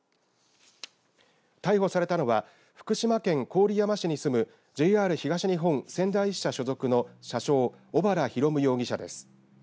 逮捕されたのは福島県郡山市に住むＪＲ東日本仙台支社所属の車掌、小原広夢容疑者です。